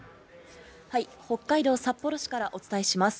北海道札幌市からお伝えします。